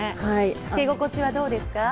着け心地はどうですか？